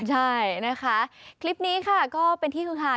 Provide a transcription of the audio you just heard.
ใช่นะคะคลิปนี้เป็นที่คือค่ะ